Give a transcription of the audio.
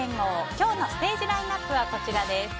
今日のステージラインアップはこちらです。